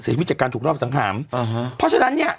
ชีวิตจากการถูกรอบสังหารอ่าฮะเพราะฉะนั้นเนี่ย